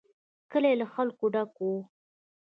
کلی له خلکو ډک و.